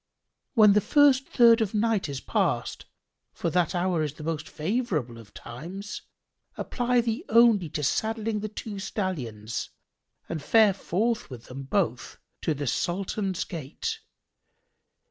When the first third of the night is past, (for that hour is of the most favourable of times) apply thee only to saddling the two stallions and fare forth with them both to the Sultan's Gate.